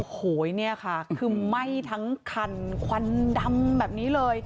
โอ้โหเนี่ยค่ะคือไหม้ทั้งคันควันดำแบบนี้เลย